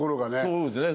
そうですね